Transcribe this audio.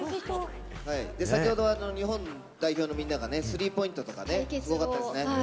先ほどは日本代表のみんながね、スリーポイントとかね、すごかったですね。